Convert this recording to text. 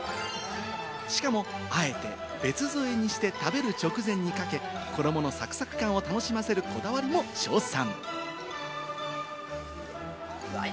しかも、あえて別添えにして食べる直前にかけ、衣のサクサク感を楽しませるこだわりも称賛。